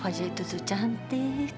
wajah itu tuh cantik